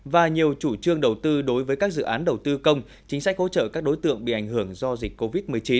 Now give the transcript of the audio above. và nhiều chủ trương đầu tư đối với các dự án đầu tư công chính sách hỗ trợ các đối tượng bị ảnh hưởng do dịch covid một mươi chín